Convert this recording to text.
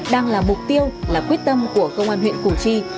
đang là mục tiêu là quyết tâm của công an huyện củ chi